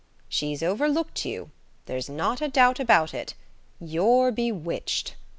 "She's overlooked you. There's not a doubt about it. You're bewitched.